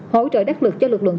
hỗ trợ đắc lực cho lực lượng